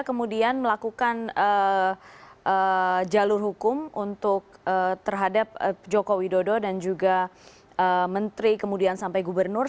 kemudian melakukan jalur hukum untuk terhadap joko widodo dan juga menteri kemudian sampai gubernur